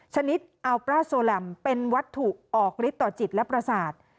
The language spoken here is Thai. ชนิดอัลปราโซแลมเป็นวัตถุออกฤทธิต่อจิตและประสาท